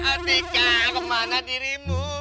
atika kemana dirimu